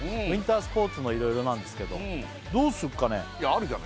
ウインタースポーツのいろいろなんですけどどうするかね？